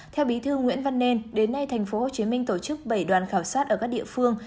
theo bí thư nguyễn văn nên đến nay thành phố hồ chí minh tổ chức bảy đoàn khảo sát ở các địa phương